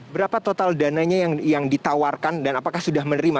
berapa total dananya yang ditawarkan dan apakah sudah menerima